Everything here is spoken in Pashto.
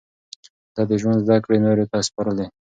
ده د ژوند زده کړې نورو ته سپارلې.